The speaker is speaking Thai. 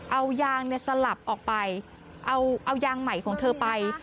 เอายางเนี่ยสลับออกไปเอายางใหม่ของเธอไป